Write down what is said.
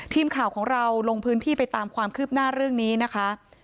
ทีมข่าวของเราลงพื้นที่ไปตามความคืบหน้าเรื่องนี้นะคะ